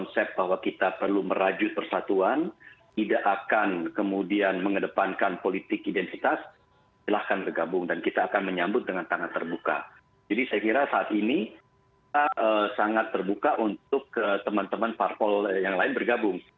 sangat terbuka untuk teman teman parpol yang lain bergabung